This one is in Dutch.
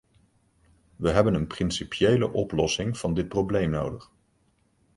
We hebben een principiële oplossing van dit probleem nodig.